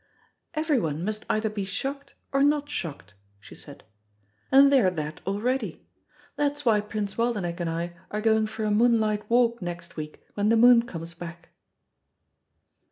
"Everyone must either be shocked or not shocked," she said, "and they're that already. That's why Prince Waldenech and I are going for a moonlight walk next week when the moon comes back."